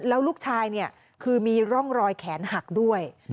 แล้วลูกชายเนี่ยคือมีร่องรอยแขนหักด้วย